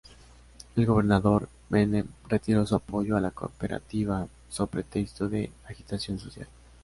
El gobernador Menem retiró su apoyo a la cooperativa so pretexto de "agitación social".